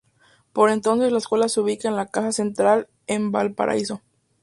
Por entonces, la Escuela se ubicada en la Casa Central, en Valparaíso.